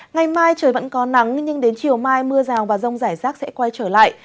ngày mai trời vẫn có nắng nhưng đến chiều mai mưa rào và rông rải rác sẽ quay trở lại